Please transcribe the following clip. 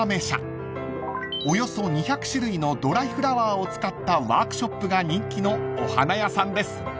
［およそ２００種類のドライフラワーを使ったワークショップが人気のお花屋さんです］